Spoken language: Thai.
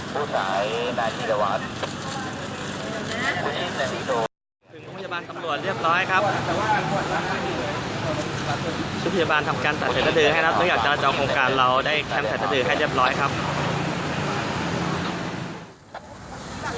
ผู้ไหนที่วัด